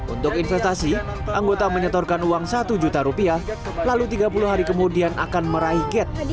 untuk investasi anggota menyetorkan uang satu juta rupiah lalu tiga puluh hari kemudian akan meraih gate